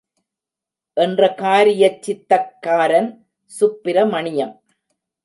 என்ற காரியச் சித்தக்காரன் சுப்பிரமணியம்.